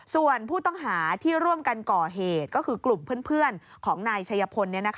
ส่วนผู้ต้องหาที่ร่วมกันก่อเหตุก็คือกลุ่มเพื่อนของนายชัยพล